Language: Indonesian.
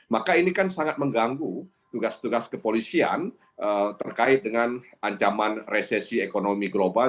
maka ini kan sangat mengganggu tugas tugas kepolisian terkait dengan ancaman resesi ekonomi global